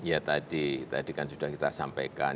ya tadi tadi kan sudah kita sampaikan